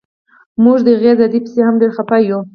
موږ د هغې ازادۍ پسې هم ډیر خفه یو